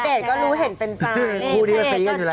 เตฤตก็รู้เห็นเป็นจังพูดิวสีจริงอะไรล่ะ